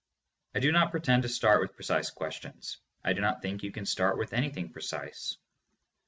I do not pretend to start with precise questions. I do not think you can start with anything precise.